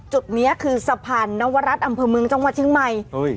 จุดนี้คือสะพานนวรัฐอำเภอเมืองจังหวัดเชียงใหม่